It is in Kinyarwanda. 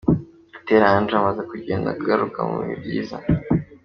Butera Andrew amaze kugenda agaruka mu bihe byiza.